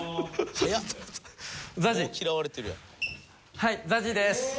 はいＺＡＺＹです。